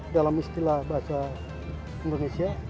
dalam istilah bahasa indonesia